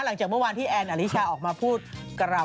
หลังจากเมื่อวานที่แอนอลิชาออกมาพูดกล่าว